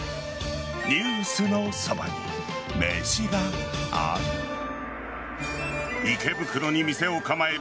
「ニュースのそばに、めしがある。」